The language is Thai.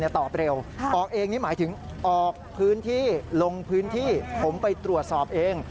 และไม่บอกกำหนด